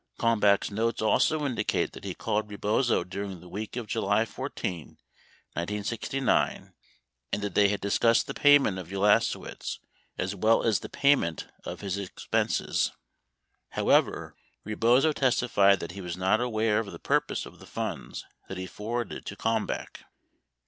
2 Kalmbach's notes also indicate that he called Rebozo during the week of J uly 14, 1969, and that they discussed the payment to Ulase wicz as well as the payment of his expenses. 3 However, Rebozo testified that he was not aware of the purpose of the funds that he forwarded to Kalmbach.